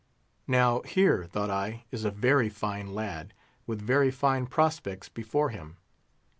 Now here, thought I, is a very fine lad, with very fine prospects before him.